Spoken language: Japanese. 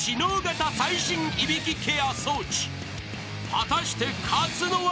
［果たして勝つのは］